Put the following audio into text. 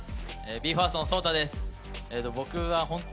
ＢＥ：ＦＩＲＳＴのＬＥＯです。